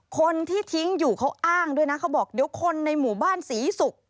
คนที่ทิ้งอยู่เขาอ้างด้วยนะเขาบอกเดี๋ยวคนในหมู่บ้านศรีศุกร์